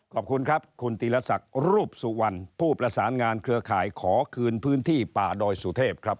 ขอบคุณครับคุณธีรศักดิ์รูปสุวรรณผู้ประสานงานเครือข่ายขอคืนพื้นที่ป่าดอยสุเทพครับ